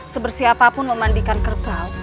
sebersiapapun memandikan kerbau